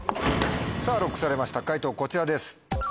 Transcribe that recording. さぁＬＯＣＫされました解答こちらです。